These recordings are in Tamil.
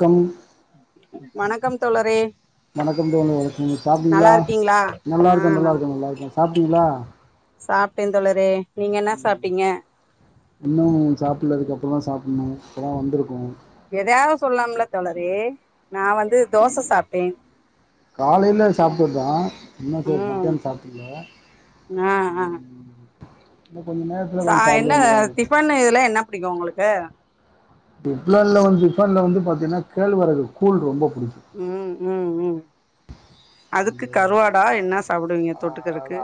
கம் வணக்கம் தோழரே வணக்கம் தோழியே நீங்க சாப்ட்டீங்களா நல்லா இருக்கீங்களா ஆ நல்லாருக்கும் நல் நல்லாருக்கும் நல்லாருக்கும் சாப்ட்டிங்களா சாப்ட்டே தோழரே நீங்க என்ன சாப்ட்டீங்க இன்னும் சாப்ட்ல இதுக்கப்றோ தான் சாப்டணும் இப்போ தான் வந்திருக்கோம் எதயாவது சொல்லலாம்ல தோழரே நா வந்து தோச சாப்டே காலையில சாப்டது தா இன்னு ம் மத்தியானோ சாப்டல ஆ ஆ இன்னு கொஞ்ச நேரோ ச என்ன டிஃபன் இதுல்லா என்ன புடிக்கு உங்களுக்கு இப்டில்லா இல்ல மேம் ஃடிபன்ல வந்து பாத்தீங்கன்னா கேழ் வரகு கூல் ரொம்ப புடிக்கு ம் ம் ம் அதுக்கு வந்து கருவாடா என்ன சாப்டுவீங்க அ தொட்டுக்கறக்கு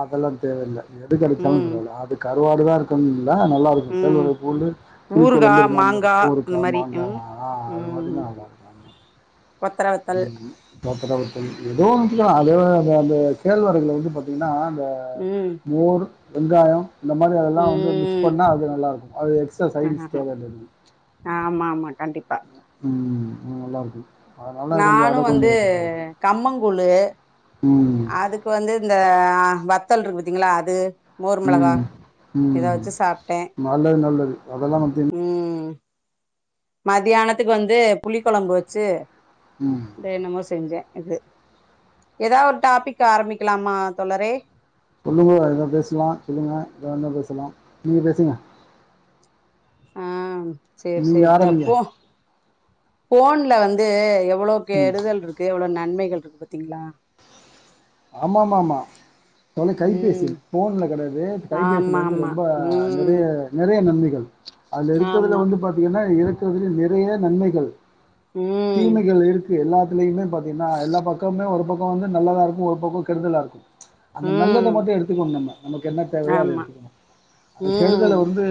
அதெல்லா தெரில எது கெடைச்சாலு ம் பரவால்ல அது கருவாடுதா இருக்கு இல்ல நல்லா இருக்கு கேழ் ம் வரகு பூண்டு புளி ஊறுகா கொழம்பு இதல்லா இருந்த மாங்கா அந்த ஊறுக்கா மாரி மாங்கா ம் அது மாரி ம் தா நல்லாருக்கும் கொத்தர வத்தல் ம் [inaudible] ஏதோ [unintelligible] அந்த கேழ்வரகுல வந்து பாத்தீங்கன்னா அந்த ம் மோரு வெங்காயம் இந்த மாதிரி அதெல்லாம் வந்து மிக்ஸ் ம் பண்ணா அது நல்லா இருக்கும் அது எக்ஸ்டா சைன்ஸ் தேவையது ஆமா ஆமா கண்டிப்பா ம் நல்லா இருக்கு நானும் வந்து கம்மங்கூழு ம். அதுக் கு வந்து இந்த வத்தல் இருக்கு பத்தீங்களா அது மோர் மெளகா ம். இத ம். வச்சு சாப்டே நல்லது நல்லது அதெல்லா நம்ம திண் ம் மதியானத்துக்கு வந்து புளி கொழம்பு வச்சு ம் என்னமோ செஞ்சே இது எதாவது ஒரு டாபிக் ஆரம்பிக்கலாமா தோழரே சொல்லுங்க ஏதோ பேசலா சொல்லுங்க எதி இருந்தாலு பேசலா நீங்க பேசுங்க ஆ சேர் நீங்க சேர் இந்த ஆரம்பிங்க. போ போன்ல வந்து எவ்ளோ ம். கெடுதல் இருக்கு எவ்ளோ நன்மைகள் இருக்கு பாத்தீங்களா ஆமா ஆமா ஆமா மொதல்லா கைபேசி ம் ஃபோன்ல கெடையாது ஆமா கைபேசியில் வந்து ரொம்ப ஆமா ம் நெறைய நெறைய நன்மைகள் அதுல இருக்கறதுல ஆமா வந்து பாத்தீங்கன்னா இருக்கறதுல நெறைய நன்மைகள் ம் தீமைகள் இருக்கு எல்லாத்துலயுமே பாத்தீங்கன்னா எல்லா பக்கமே ஒரு பக்கம் வந்து நல்லதா இருக்கு ஒரு ஒரு பக்கோ கெடுதலா இருக்கு அந்த நல்லத ம் மட்டு எடுத்துக்கணு நம்ம நமக்கு என்ன தேவையோ அத ஆமா எடுத்துக்கணு அந்த கெடுதல ம் வந்து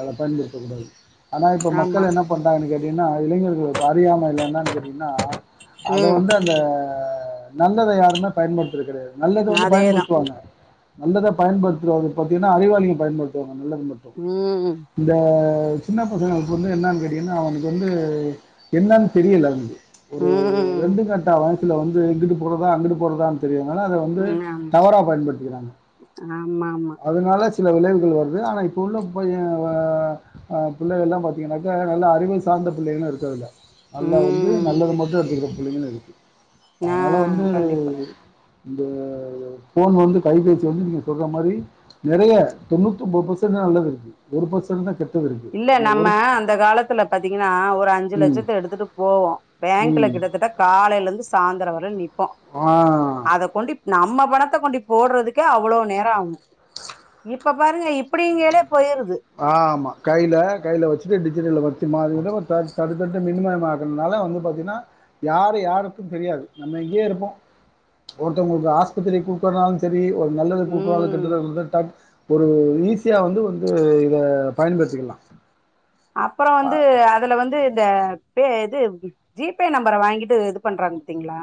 அத பண்ணு கூடாது ஆனா இப்ப ஆமா மக்கள் என்ன பண்றாங்கன்னு கேட்டீன்னா இளைஞர்களுக் கு அறியாமைல என்னன்னு கேட்டீங்கனா அத ம் வந்து அந்த நல்லத யாருமே பயன்படுத்துறது கெடையாது நல்லத வந்து அதேதா பயன்படுத்துவாங்க நல்லதா பயன்டுத்துறவுங்க பாத்தீங்கனா அறிவாளிங்க பயன்டுத்துவாங்க நல்லத மட் ம் இந்த சின்ன பசங்களுக்கு வந்து என்னன் கேட்டீங்கன்னா அவனுக்கு வந்து என்னனு தெரில வந்து ஒரு ம் ரெண்டு கட்டா வயசுல வந்து இங்கிட்டு போறதா அங்கிட்டு போறதா தெரியவுங்களா அத ம் வந்து ஆமா தவறா பயன்படுத்திக்கிறாங்க ஆமா ஆமா ஆ அதனால சில விளைவுகள் வருது ஆனா இப்போ உள்ள பையே வ ஆ புள்ளைகள்ளா பாத்தீங்கன்னாக்கா நல்ல அறிவு சார்ந்த புள்ளைகளு இருக்கு அதுல நல்லா வந்து ம் நல்லத மட்டு எடுத்துக்கற பிள்ளைங்களு இருக்கு ஆ அதனால வந்து கண்டிப்பா இந்த ஃபோன் வந்து கைபேசி வந்து நீங்க சொல்ற மாரி நெறைய தொண்ணூத் ஒம்போது பர்சன்ட் தா நல்லது இருக்கு ஒரு பர்சன்ட் தா கெட் இல்ல நம்ம அந்த காலத்துல பாத்தீங்கன்னா ஒரு அஞ்சு ம் லட்சத்த எடுத்துட்டு போவோ பேங்க்ல ம் கிட்டத்தட்ட காலேல இருந்து சாந்தர வர நிப்போ ஆ அத கொண்டிப் நம்ம பணத்த கொண்டிப் போடுறதுக்கே அவ்ளோ நேர ஆகு இப்ப பாருங்க இப்படிங்கேலே போயிருது ஆ ஆமா கைல கைல வச்சுட்டு டிஜிட்டல்ல வச்சமா அது வந்து ஒரு தேர்டு சர்வருர்ட்ட மினிமமா இருக்கனால வந்து பாத்தீனா யாரு யாருக்கு தெரியாது நம்ம இங்கேயே இருப்போ ஒருத்தவுங்களுக்கு ஆஸ்பத்திரிக்கு குடுக்குனாலு செரி ஒரு நல்லதுக்கு குடுக்க்னாலு ம் கெட்டதுக் குடுக்க டக் ஒரு ஈஸியா வந்து வந்து அ இத பயன்படுத்திக்கிலா அப்பற வந்து அதுல வந்து இந்த பே இது ஜிபே நம்பர வாங்கிட்டு இது பண்றாங்க பாத்தீங்களா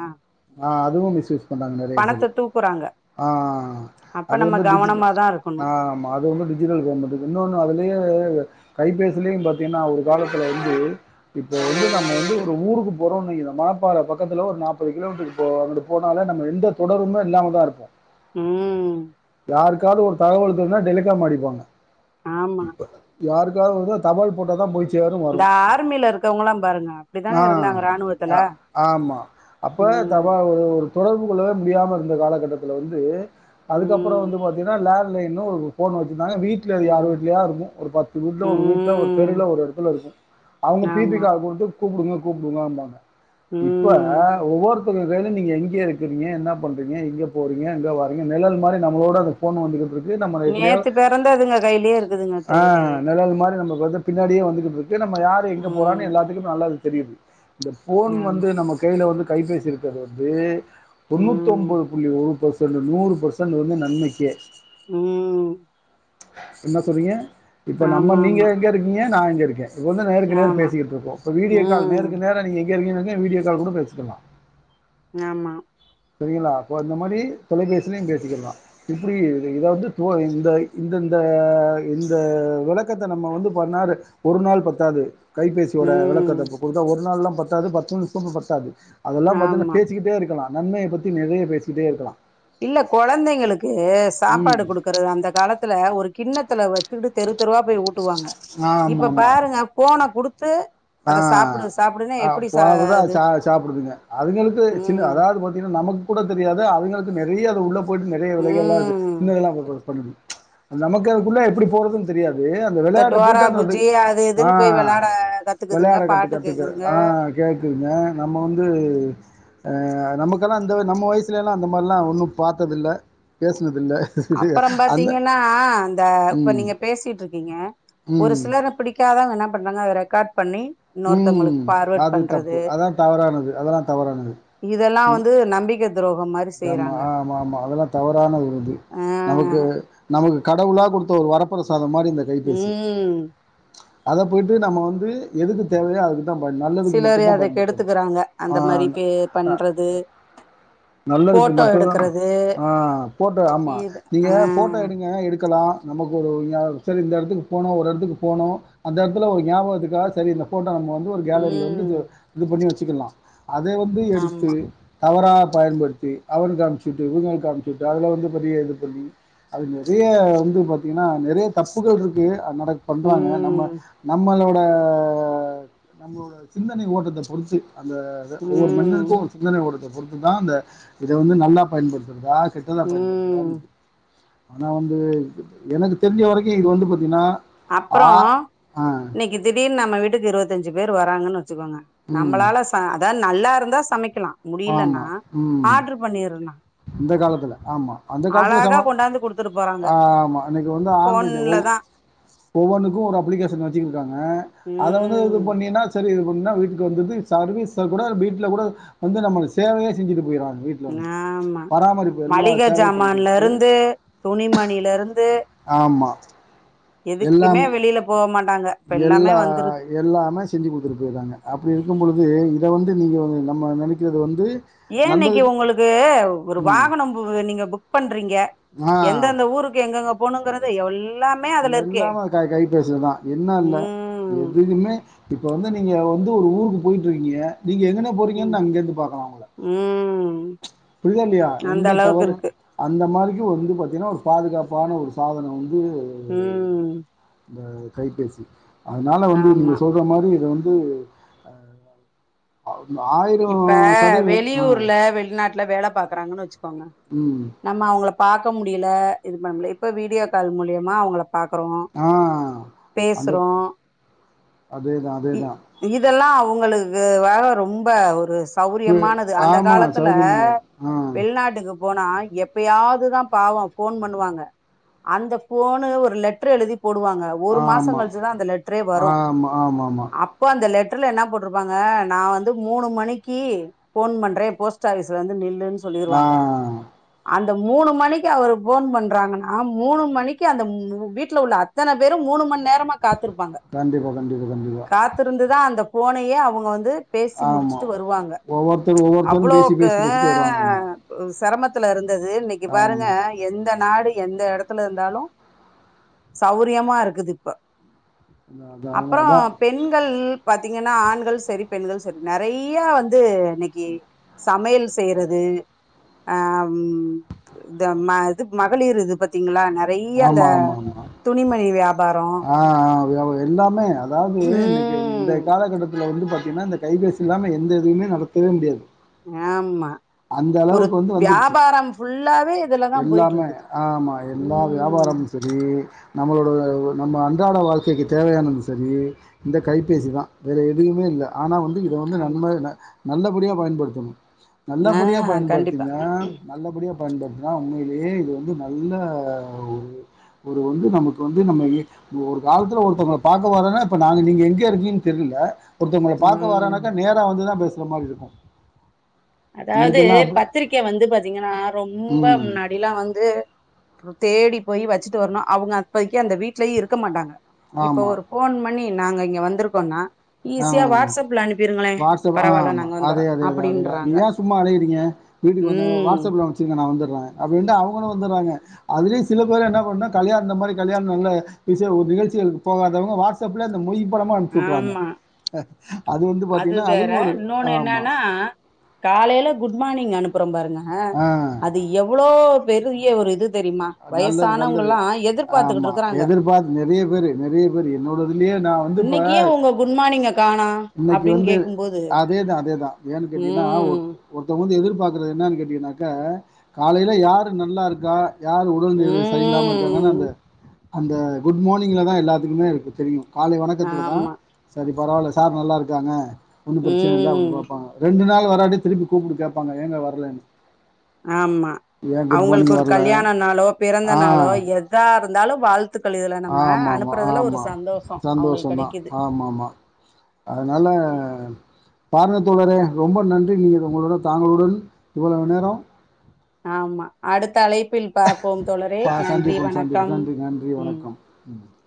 ஆ அதுவு மிஸ்யூஸ் பண்ணுறாங்க நிறைய பேர் பணத்த தூக்குறாங்க ஆ அப்ப அது நம்ம வந்து டிஜிட் கவனமாதா இருக்கணு ஆ ஆமா அது வந்து டி ஜிட்டல் பேமென்ட் இருக்கு இன்னொன்னு அதுலயே கைபேசிலயு பாத்தீங்கன்னா ஒரு காலத்துல வந்து இப்போ வந்து நம்ம வந்து ஒரு ஊருக்கு போறோன்னு வை இந்த மாப்பாள பக்கத்துல ஒரு நாப்பது கிலோமீட்டருக்கு போ அங்கிட்டு போனாலே நம்ம எந்த தொடர்புமே இல்லாமதா இருப்போ ம் யாருக்காவது ஒரு தகவல் தெரிஞ்சா டெலிக்காம் அடிப்பாங்க ஆமா யாருக்காவது வந்தா தபால் போட்டா தா போயிச் சேரு இந்த வரு ஆர்மில இருக்கவங்கல்லா பாருங்க அப்டித்தானே மாஹ் இருந்தாங்க ராணுவத்துல அ ஆமா அப்ப ம் தபால் ஒரு ஒரு தொடர்பு கொள்ளவே முடியாம இருந்த காலகட்டத்தில வந்து அதுக்கப்பறோ ம் வந்து பாத்தீங்கனா லேண் லைன் ஒரு ஃபோன் வச்சிருதாங்க வீட்ல யார் ம் வீட்லயாவது இருக்கு ஒரு பத் து வீட்ல ஒரு வீட்ல ஒரு ம் தெருவுல ஒரு எடத்துல இருக்கு அவுங்க பிபி ஆமா கால் குடுத்து கூப்புடுங்க கூப்புடுங்க பாங்க இப்ப ம் ஒவ்வொருத்தரு கைலயு நீங்க எங்க இருக்கிறீங்க என்ன பண்ணுறீங்க எங்க போகிறீங்க எங்க வாரீங்க நெழல் மாரி நம்ளோட அ ஃபோன்னு வந்துகிட்ருக்கு நம்மள எப்டியோ நேத்து பெறந்ததுங்க கையிலயே இருக்குதுங்க ஆ தோழரே நெழல் மாரி நமக்கு வந்து பின்னாடியே வந்துகிட்டு இருக்கு நம்ம யாரு எங்க போறான்னு ம் எல்லாத்துக்கு நல்ல அது தெரியுது இந்த ஃபோன் ஆமா வந்து நமக் கைல வந்து கைபேசி இருக்கிறது வந்து தொண்ணூத் ம் தொம்பது புள்ளி ஒரு பெர்சன்ட் நூறு பெர்சன்ட் வந்து நன்மைக்கே ம் என்ன சொல்றீங்க இப்ப நம்ம ஆமா நீங்க ஆமா எங்க இருக்கீங்க நா எங்க இருக்கே இப்ப வந்து நேருக்கு நேர் ஆமா பேசிக்கிட்ருக்கோ இப்ப வீடியோ கால் ம் நேருக்கு நேரா நீங்க எங்க இருக்கீங்கனு வீடியோ கால் கூட பேசிக்கலா ஆமா செரிங்களா அப்போ இந்த மாரி தொலைபேசிலயு பேசிக்கிற்லா இப்புடி இத இத வந்து தோ இந்த இந்த இந்த இந்த விளக்கத்த நம்ம வந்து பண்ணாரு ஒரு நாள் பத்தாது கைபேசியோட ம் விளக்கத்த இப்ப குடுத்தா ஒரு நாள்லா பத்தாது பத்து நிமுசமு பத்தாது அதெல்லா பாத்தீனா ஆமா பேசிக்கிட்டே இருக் நன்மைய பத்தி நெறைய பேசிட்டே இருக்கலா இல்ல கொழந்தைங்களுக்கு சாப்பாடு ம். குடுக்கறது அந்த காலத்துல ஒரு கிண்ணத்துல வச்சுக்கிட்டு தெரு தெருவா போய் ஊட்டுவாங்க இப்ப ஆமாமா. பாருங்க ஃபோன குடுத்து ஆ அத சாப்புடு சாப் ஆ ஃபோன குடுத்தா அது சா சாப்புடுதுங்க அதுங்களுக்கு சின்ன ம் அதாவ்து பாத்தீங்னா நமக் கூட தெரியாது அதுங்களுக்கு நெறைய அத உள்ள போயிட்டு நெறைய விலைகள்லா இருக்கு ம் சின்னதெல்லா போகபோக பண்ணுது நமக்கு அதுக்குள்ள எப்டி போறதுன் தெரியாது அந்த இந்த வெளையாட்ட டோரா போயிட்டா அந்த அது புஜ்ஜி ஆ இதுன்னு போய் வெளாட கத்துக்குதுங்க வெளையாட கத்து பாட்டு கத்துக்க கேக்குதுங்க ஆ கேக்குதுங்க நம்ம வந்து அ நமக்கெல்லா அந்த நம்ம வயசுலெல்லா அந்த மாரிலா ஒன்னு பாத்ததில்ல பேசுனதில்ல அப்பறம் அந்த பாத்தீங்கனா இந்த இப்ப ம் நீங்க பேசிட்ருக்கீங்க ஒரு ம் சிலர் அப்டி க்காதவ்ங்க என்ன பண்றாங்க அத ரெக்காட் பண்ணி ம் இன்னொருத்தவங்களுக்கு ஃபார்வேர்ட் அது தப்பு பண்றது அதா தவறானது அதெல்லா தவறானது இதெல்லா வந்து நம்பிக்க துரோகம் மாரி ஏமா செய்யறாங்க ஆமாம்மா அதெல்லா தவறான ஒரு இது ஆ நமக்கு நமக்கு கடவுளா குடுத்த ஒரு வர பிரசாதம் மாரி இந்த கைபேசி ம் அத போய்ட்டு நம்ம வந்து எதுக்கு தேவையோ அதுக்கு தான் ப நல்லதுக்கு சிலரு மட்டும் தான் அத பயன்படுத்தணும் கெடுத்துக்குறாங்க அந்த ஆ, மாரிக்கே பண்றது நல்லதுக்கு போட்டோ மட்டு தா எடுக்குறது ஆ ஃபோட்டோ ஆமா இது நீங்க ஆ ஃபோட்டோ எடுங்க எடுக்கலா நமக்கு ஒரு இதுனா செரி இந்த எடத்துக்கு போனு ஒரு எடத்துக்கு போனு அந்த எடத்துல ஒரு ஞாபகத்துக்காக செரி இந்த ஃபோட்டோ நம்ம வந்து து ஒரு கேலரில வந்து ம் இது இது பண்ணி வச்சுக்கலா அத வந்து எடுத்து ஆமா தவறாக பயன்படுத் தி அவனுக்கு அணுப்சுட்டு இவுங்களுக்கு அனுப்சுட்டு அதுல வந்து பெரிய இது பண்ணி அது நெறைய வந்து பாத்தீங்னா நெறைய தப்புகள் இருக் கு அது நடக் பண்றாங்க நம்ம ம் நம்மளோட நம்மளோட சிந்தனை ஓட்டத்த பொறுத்து அந்த இது ஒவ்வொரு ம் மனிதனுக்கு சிந்தனை ஓட்டத்த பொறுத்துதா இந்த இத வந்து நல்லா பயன்படுத்துறதா கெட்டதா பயன்படுத் ம் ஆனா வந்து எனக்கு தெரிஞ்ச வரைக்கு இது வந்து பாத்தீங்னா ஆ அப்புறோ ம் இன்னைக்கு திடீர்னு நம்ம வீட்டுக்கு இருவத்தஞ்சு பேரு வராங்கன் வச்சுக்கோங்க ம் நம்மளால ச அதா நல்லா இருந்தா சமைக்கலா முடியலனா ஆமாம் ம் ஆர்ட்ரு பண்ணிறனு இந்த காலத்துல ஆமா அந்த காலத்துல சம கொண்டாந்து குடுத்துட்டு போறாங்க ஆமா அன்னைக்கு வந்து ஆன்லைன்லயு போன்லதா ஒவ்வொன்னுக்கு ஒரு அப்ளிக்கேஷன் வச்சுக்கிருக்காங்க ம் அத வந்து இது பண்ணினா செரி இது பண்ணா வீட்டுக்கு வந்துர்து சர்வீச கூட வீட்ல கூட வந்து நம்மளுக்கு சேவையே செஞ்சுட்டு போய்றாங்க வீட் ஆமா மளிக சேவையும் பண்ணி ஜாமான்ல கொடுத்துட்டு இருந்து துணிமணில இருந்து ஆமா எதுக்குமே வெளில போக மாட்டாங்க இப்ப எல்லாமே எல்லா வந்துருது எல்லாமே செஞ்சு குடுத்துட்டு போய்றாங்க அப்டி இருக்கும் பொழுது இத வந்து நீங்க நம்ம நெனைக்கிறது வந்து ஏ இன்னக்கி நல்லதுக்கு உங்களுக்கு ஒரு ம் வாகனம் நீங்க புக் பண்றீங்க ஆ எந்தெந்த ஊருக்கு எங்கெங்க போனுங்கறத எல் எல்லாமே கை கைபேசில தா என்ன இல்ல ம் எதுகுமே இப்ப வந்து நீங்க வந்து ஒரு ஊருக்கு போய்ட்ருக்கீங்க நீங்க எங்கன போறீங்கன் ம் நா இங்கெருந்து பாக்கலா ஒங்கள ம் புரிதால்லியா அந்த எந்த அளவுக்கு தவறு இருக்கு அந்த மாரிக்கு வந்து பாத்தீங்கன்னா ஒரு பாதுகாப்பான ஒரு சாதனோ வந்து ம் இந்த கைபேசி அதனால வந்து நீங்க ஆமா சொல்ற மாரி இத வந்து [unintelligible] இப்ப சதவீதம் ஆ வெளியூர்ல வெளிநாட்ல வேல பாக்குறாங்கன் வச்சுக்கோங்க ம் நம்ம அவுங்ள பாக்க முடில இது பண்ண முடில இப்ப வீடியோ கால் மூலியமா அவுங்கள பாக்குறோ ஆ அந்த பேசுறோ அதேதா அதேதா இதெல்லா அவுங்களுக்கு வேற ரொம்ப ஒரு பு சௌரியமானது அந்த ஆமா காலத்துல சௌரியமலை ஆ வெளிநாட்டுக்கு போனா எப்பயாவ்துதா பாவோ ஃபோன் பண்ணுவாங்க அந்த ஃபோனு ஒரு லெட்ரு எழுதி போடுவாங்க ஒரு மாசோ ஆமா கழ்ச்சுதா அந்த லெட்ரே வரு ஆமா ஆமாமா அ ப்ப அந்த லெட்ருல என்ன போட்ருப்பாங்க நா வ ந்து மூனு மணிக்கி ஃபோன் பண்றே போஸ்ட் ஆஃபிஸ் ல வந்து நில்லுன் ஆ சொல்லிருவாங்க அந்த மூனு மணிக்கு அவர் ஃபோன் பண்றாங்கன்னா மூனு மணிக்கு அந்த வீட்ல உள்ள அ த்தன பேரு மூனு மண் நேரமா காத்திருப்பாங்க கண்டிப்பா கண்டிப்பா கண்டிப்பா காத் திருந்துதா அந்த ஃபோனயே அவுங்க வந்து பேசி ஆமா முடிச்சுட்டு வருவாங்க ஒவ்வொருத்தரு ஒவ்வொருத்தரு பேசி அவ்ளோக்கு பேசி பேசிட்டு வருவாங்க ஆமா ஆ செரமத்துல இருந்தது இன்னக்கி பாருங்க ஆமா எந்த நாடு எந்த எடத்துல இந்தாலு சௌரியமாருக்குது இப்ப அதா அதா அப்றோ அதா பெண்கள் பாத்தீங்கன்னா ஆண்கள் செரி பெண்கள் செரி நறையா வந்து இன்னக்கி சமையல் செய்றது ஆ ம் இந்த ம இது மகளிர் இது பாத்தீங்களா ந றையா இந்த ஆமா ஆமா ஆமா துணிமணி வியா ஆ ஆ வியா எல்லாமே அதாவ்து இன்னக்கி ம் இன்றைய காலகட்டத்துல வந்து பாத்தீங்கன்னா இந்த கைபேசி இல்லாம எந்த இதுமே நடத்தவே முடியாது ஆமா அந்த ஒரு அளவுக்கு வந்து வந்துருச்சு வியாபாரம் ஃபுல்லாவே இதுலதா எல்லாமே போய்ட்ருக்குது ம் ரி நம்மளோட நம்ம அன்றாட வாழ்க்கைக்கு தேவயானது செரி இந்த கைபேசி தா வேற எதுமே இல்ல ஆனா வந்து இத வந்து ஆமா நன்ம நல்லபடியா பயன்படுத்தனு ஆ நல்லபடியா கண்டிப்பா பயன்படுத்தினா நல்லபடியா பயன்படுத்தினா உண்மயிலே இது வந்து நல்ல ஒரு ஒரு வந்து நமக்கு வந்து நம்ம ஒரு காலத்துல ஒருத்தோங்கள பாக்க வரேனா இப்ப நாங்க நீங்க எங்க இருக்கீங்கன் தெர்ல ஒருத்தோங்கள பாக்க ம் வரனாக்கா நேரா வந்துதா பேசுற மாரி இருக்கு அதாவ்து பத்திரிக்க வந்து பாத்தீங்கன்னா ரொம்ப ம் ந டிலாம் வந்து தேடி போய் வச்சுட்டு வரணும் அவுங்க அப்பைக்கு அந்த வீட்லயே இருக்க மாட்டாங்க இப்போ ஆமாம் ஒரு ஃபோன் பண்ணி நாங்க இங்க வந்திருக்கோம்னா ஈஸியா ஆ வாட்ஸ்அப்ல அனுப்பியிருங்களே வாட்ஸ்அப் ஆ பரவால்ல ஆமா நாங்க வந்தறோ அதே அதே அதே அதுதான் நீ அப்டின்றாங்க ஏன் சும்மா அலைறீங்க வீட்டுக்கு வந்த ம் வாட்ஸ்அப்ல அம்ச்சுருங்க நா வந்துறே அப்டின்ட்டு அவுங்களு வந்துறாங்க அதுலயு சில பேரு என்ன பண்ண கல்யாண இந்த மாரி கல்யாண நாள்ல ஈசியா ஒரு நிகழ்ச்சிகளுக்கு போகாதோங்க வாட்ஸ் ஸ்அப்ல இந்த மொய் பணமு அம்ச்சுட்ருவாங்க ஆமா அது வேற அதுவும் ஒரு இன்னொன் ஆமா என்னன்னா காலைல குட் மார்னிங் அனுப்புறோ பாருங்க ஆ அது எவ்ளோ பெரிய ஒரு இது தெரிமா நல்லது நல்லது வயசானவங்கல்லா எதிர்பாத்துட்டு ஆமா இருக்குறாங்க எதிர்பார்த்து நெறைய பேரு நெறைய பேரு என்னோட இதுலயே நா வந்து இப்ப இன்னைக்கு ஏ உங்க குட் மார்னிங்க காணோ இன்னக்கி அப்டின்னு வந்து கேக்கும்போது அதேதா அதேதா ஏன்னு கேட்டீங்கன்னா ம் ஒருத்தோங்க வந்து எதிர்பாக்குறது என்னனு கேட்டிங்கன்னாக்க காலைல யாரு நல்லாருக்கா யாரு உடல் நிலை சரியில்லாம இருக்காங்கனு ம் அந்த அந்த குட் மார்னிங்ல தா எல்லாத்துக்குமேருக்கு தெரியு காலை வணக்கத்துல தா ஆமா செரி பரவால்ல சார் நல்லாருக்காங்க ஒன்னு பிரச்சன இல்ல அப்டின் ம் பாப்பாங்க ரெண்டு நாள் வராட்டி திருப்பி கூப்ட்டு கேப்பாங்க ஏங்க வரலன்னு ஆமா "ஏன் குட் அவுங்களுக்கு மார்னிங் ஒரு வரல?" கல்யாண நாளோ பிறந்த ஆ, நாளோ எதாருந்தாலு வாழ்த்துக்கள் இதுல நம்ம அனுப்புறதுல ஒரு சந்தோஷோ சந்தோஷோ அவங்களுக்கு தா கெடைக்குது ஆமாமா அதனால பாருங்க தோழரே ரொம்ப நன்றி நீங்க உங்களோட தாங்களுடன் இவ்ளோ நேரோ ஆமா அடுத்த அழைப்பில் பாப்போம் தோழரே பா நன்றி சந்திப்போம் சந்திப்போம் வணக்கம் நன்றி நன்றி ம் [inaudible]